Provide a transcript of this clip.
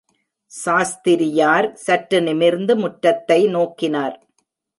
சாஸ்திரியார் சற்று நிமிர்ந்து முற்றத்தை நோக்கினார்.